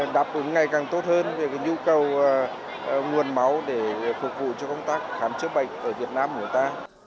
đáp ứng ngày càng tốt hơn về nhu cầu nguồn máu để phục vụ cho công tác khám chữa bệnh ở việt nam của ta